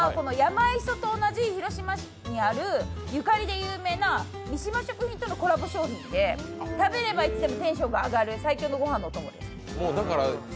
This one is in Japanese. この商品はやま磯と同じ広島市にあるゆかりで有名なところとのコラボで食べればいつでもテンションが上がる、最強のご飯のお供です。